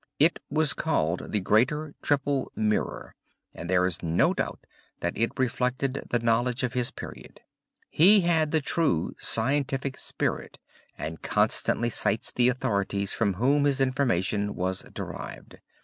It was called the Greater Triple Mirror and there is no doubt that it reflected the knowledge of his period. He had the true scientific spirit and constantly cites the authorities from whom his information was derived.